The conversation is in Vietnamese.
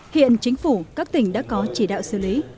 hiện chính phủ các tỉnh đã có chỉ đạo xử lý